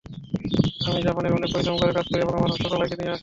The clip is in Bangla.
আমি জাপানে অনেক পরিশ্রম করে কাজ করি এবং আমার ছোটো ভাইকে নিয়ে আসি।